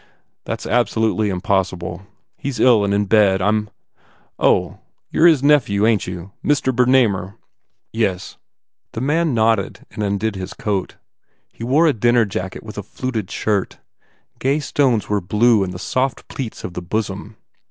"That s absolutely impossible. He s ill and in bed. I m" "Oh ... you re his nephew, ain t you? Mister Bernamer?" "Yes." The man nodded and undid his coat. He wore a dinner jacket with a fluted shirt. Gay stones were blue in the soft pleats of the bosom.